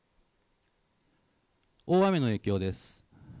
大雨の影響です。